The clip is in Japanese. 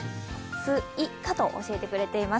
ス・イ・カと教えてくれてます。